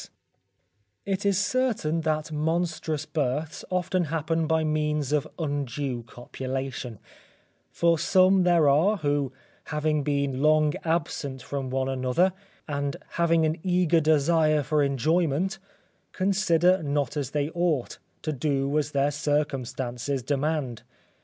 It is certain that monstrous births often happen by means of undue copulation; for some there are, who, having been long absent from one another, and having an eager desire for enjoyment, consider not as they ought, to do as their circumstances demand.